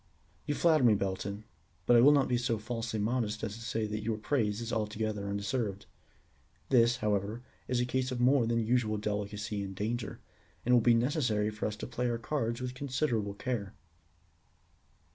"You flatter me, Belton, but I will not be so falsely modest as to say that your praise is altogether undeserved. This, however, is a case of more than usual delicacy and danger, and it will be necessary for us to play our cards with considerable care.